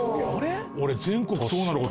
俺全国そうなのかと。